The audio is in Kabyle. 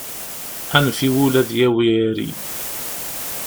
Anef i wul ad yawi iri.